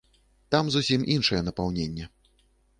Там зусім іншае напаўненне.